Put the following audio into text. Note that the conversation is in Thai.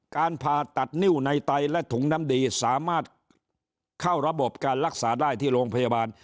การผ่าตัดนิ้วในไตและถุงน้ำดีสามารถเข้าระบบการรักษาได้ที่โรงพยาบาล